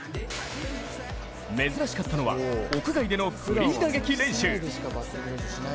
珍しかったのは、屋外でのフリー打撃練習。